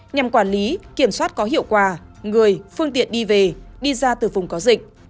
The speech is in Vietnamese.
nhằm quản lý kiểm soát có hiệu quả người phương tiện đi về đi ra từ vùng có dịch